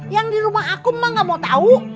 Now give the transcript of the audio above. yang di rumah aku mak enggak mau tahu